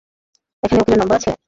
এখানে উকিলের নম্বর আছে।